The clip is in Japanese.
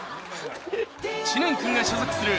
知念君が所属するＨｅｙ！